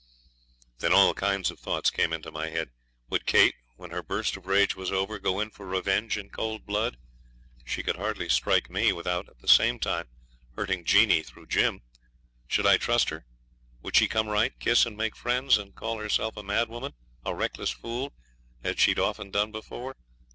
Then all kinds of thoughts came into my head. Would Kate, when her burst of rage was over, go in for revenge in cold blood? She could hardly strike me without at the same time hurting Jeanie through Jim. Should I trust her? Would she come right, kiss, and make friends, and call herself a madwoman a reckless fool as she'd often done before?